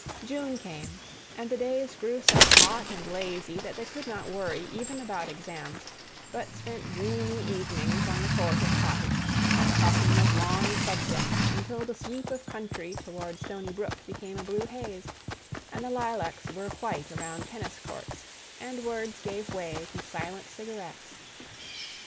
June came and the days grew so hot and lazy that they could not worry even about exams, but spent dreamy evenings on the court of Cottage, talking of long subjects until the sweep of country toward Stony Brook became a blue haze and the lilacs were white around tennis courts, and words gave way to silent cigarettes....